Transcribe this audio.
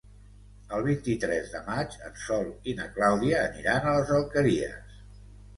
El vint-i-tres de maig en Sol i na Clàudia aniran a les Alqueries.